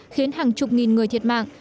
khiến hàng chục nghìn người thiệt mạng